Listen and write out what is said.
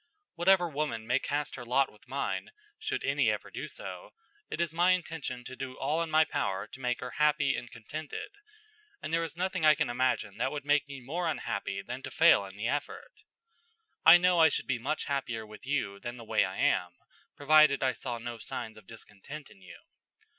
Whatever woman may cast her lot with mine, should any ever do so, it is my intention to do all in my power to make her happy and contented; and there is nothing I can imagine that would make me more unhappy than to fail in the effort. I know I should be much happier with you than the way I am, provided I saw no signs of discontent in you.